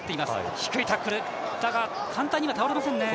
低いタックルだが簡単に倒れませんね。